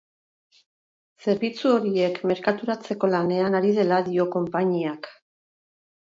Zerbitzu horiek merkaturatzeko lanean ari dela dio konpainiak.